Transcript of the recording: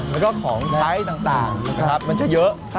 แล้วก็ของใช้ต่างนะครับมันจะเยอะ